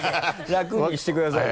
楽にしてくださいよ。